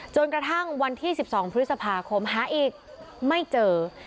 กระทั่งวันที่๑๒พฤษภาคมหาอีกไม่เจอ